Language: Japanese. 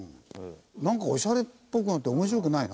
なんかオシャレっぽくなって面白くないな。